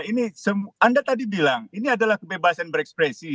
ini anda tadi bilang ini adalah kebebasan berekspresi